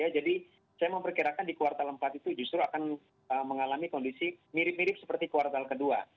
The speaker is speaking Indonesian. jadi saya memperkirakan di kuartal empat itu justru akan mengalami kondisi mirip mirip seperti kuartal kedua